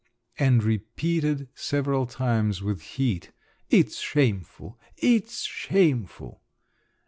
_), and repeated several times with heat: "It's shameful! it's shameful!"